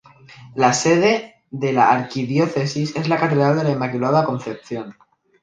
La sede de la Arquidiócesis es la Catedral de la Inmaculada Concepción.